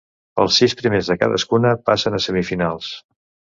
Els sis primers de cadascuna passen a semifinals.